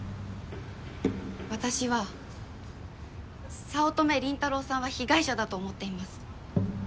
私は早乙女倫太郎さんは被害者だと思っています。